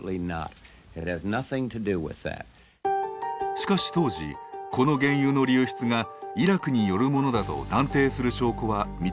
しかし当時この原油の流出がイラクによるものだと断定する証拠は見つかりませんでした。